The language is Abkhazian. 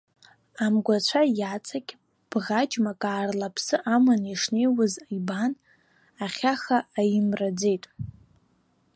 Амгәацәа иаҵақь, бӷаџьмак аарла аԥсы аманы ишнеиуаз ибан, ахьаха аимраӡеит.